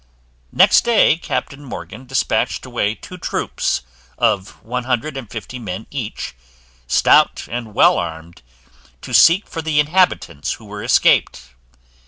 Next day Captain Morgan dispatched away two troops, of one hundred and fifty men each, stout and well armed, to seek for the inhabitants who were escaped.